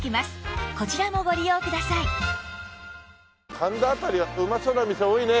神田辺りはうまそうな店多いね！